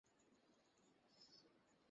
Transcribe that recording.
আমাকে হাতে কাঁটা ফুঁকেছে!